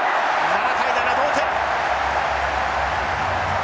７対７同点！